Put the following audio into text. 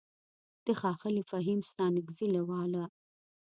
د ښاغلي فهيم ستانکزي له واله: